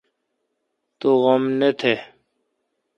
تو غم نہ تھ۔